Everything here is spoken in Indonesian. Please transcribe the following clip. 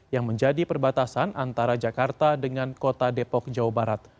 yang menjadi perbatasan antara jakarta dengan kota depok jawa barat